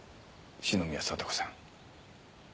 四宮聡子さん。